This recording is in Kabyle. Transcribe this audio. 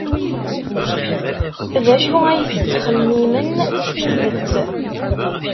D acu ay tettxemmimen s tidet?